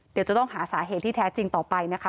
เดี๋ยวจะต้องหาสาเหตุที่แท้จริงต่อไปนะคะ